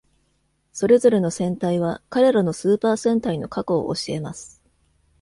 それぞれのセンタイは彼らのスーパーセンタイの過去を教えます。